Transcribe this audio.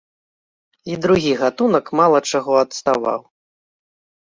І другі гатунак мала чаго адставаў.